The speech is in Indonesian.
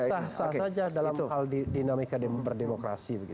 sah sah saja dalam hal dinamika berdemokrasi